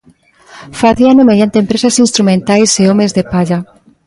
Facíano mediante empresas instrumentais e homes de palla.